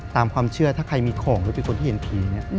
ตามความเชื่อถ้าใครมีของหรือเป็นคนที่เห็นผีเนี่ย